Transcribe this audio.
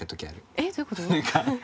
えっどういうこと？